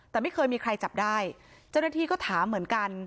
แต่ไม่เคยมีใครจับได้เจ้าหน้าที่ก็ถามเหมือนกัน